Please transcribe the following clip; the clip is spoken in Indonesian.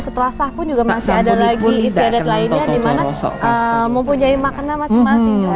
setelah sah pun juga masih ada lagi istiadat lainnya dimana mempunyai makna masing masing